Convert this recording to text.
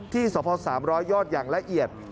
ที่สพ๓๐๐ยอดอย่างละเอียด